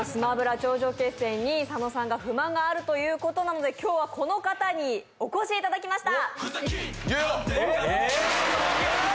王頂上決戦」に佐野さんが不満があるということなので今日はこの方にお越しいただきました。